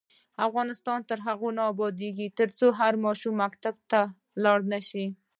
افغانستان تر هغو نه ابادیږي، ترڅو هر ماشوم مکتب ته لاړ نشي.